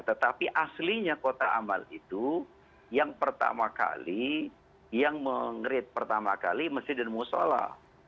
tetapi aslinya kota amal itu yang pertama kali yang mengerit pertama kali masjid dan musola